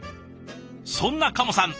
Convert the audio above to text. そんな加茂さん